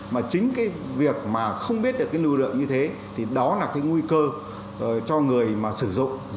mà chính cái việc mà không biết được cái lưu lượng như thế thì đó là cái nguy cơ cho người mà sử dụng